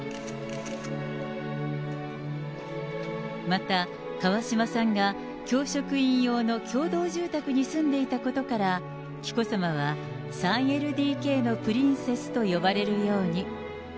また、川嶋さんが教職員用の共同住宅に住んでいたことから、紀子さまは３ＬＤＫのプリンセスと呼ばれるように。